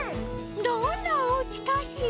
どんなおうちかしら？